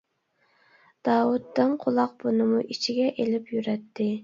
داۋۇت دىڭ قۇلاق بۇنىمۇ ئىچىگە ئېلىپ يۈرەتتى.